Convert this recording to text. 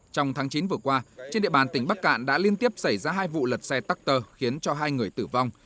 trong tháng chín vừa qua trên địa bàn tỉnh bắc cạn đã liên tiếp xảy ra hai vụ lật xe tắc tơ khiến cho hai người tử vong